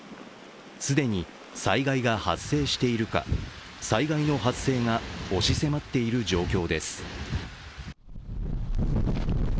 既に災害が発生しているか、災害の発生が押し迫っている状況です。